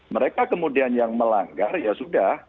mereka kemudian yang melanggar ya sudah